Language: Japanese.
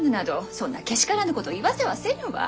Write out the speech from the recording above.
そんなけしからぬこと言わせはせぬわ。